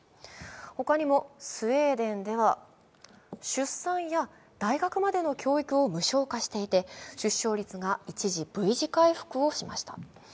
他にもスウェーデンでは、出産や大学までの教育を無償化していて出生率が一時、Ｖ字回復をしました。